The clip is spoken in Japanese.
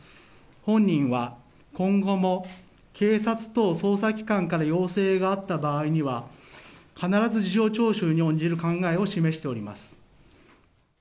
本人は今後も、警察等捜査機関から要請があった場合には、必ず事情聴取に応じる考えを示しております。